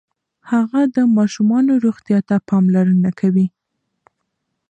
هغه د ماشومانو روغتیا ته پاملرنه کوي.